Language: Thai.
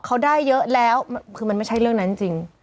เขาได้เยอะแล้วคือมันไม่ใช่เรื่องนั้นจริง